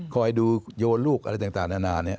คอยดูโยร์ลูกอะไรต่างด่านานา